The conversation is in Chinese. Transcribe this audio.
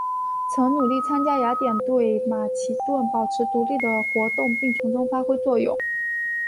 曾努力参加雅典对马其顿保持独立的活动并从中发挥作用。